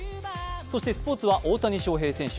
そしてスポーツは大谷翔平選手。